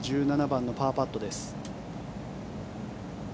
１７番のパーパットです。